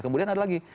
kemudian ada lagi